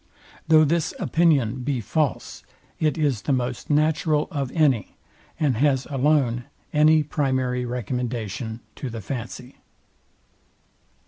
Though this opinion be false, it is the most natural of any, and has alone any primary recommendation to the fancy.